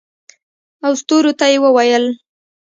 او ستورو ته یې وویل